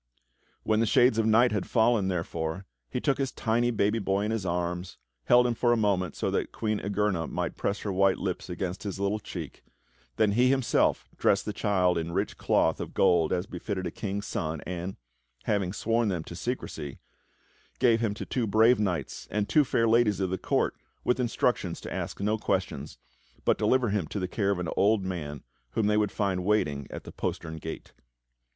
When the shades of night had fallen, therefore, he took his tiny baby boy in his arms, held him for a moment so that Queen Igerna might press her white lips against his little cheek, then he himself dressed the child in rich cloth of gold as befitted a king's son, and, having sworn them to secrecy, gave him to two brave knights and two fair ladies of the court with instructions to ask no questions, but deliver him to the care of an old man whom they would find waiting at the postern gate.